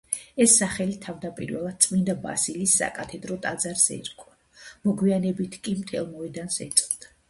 ეს სახელი თავდაპირველად წმინდა ბასილის საკათედრო ტაძარს ერქვა, მოგვიანებით კი მთელ მოედანს ეწოდა.